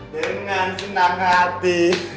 dengan senang hati